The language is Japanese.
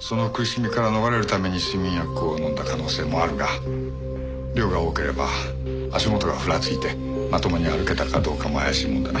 その苦しみから逃れるために睡眠薬を飲んだ可能性もあるが量が多ければ足元がふらついてまともに歩けたかどうかも怪しいもんだな。